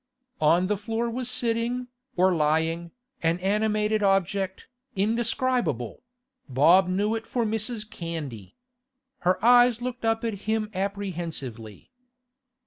On the floor was sitting, or lying, an animated object, indescribable; Bob knew it for Mrs. Candy. Her eyes looked up at him apprehensively.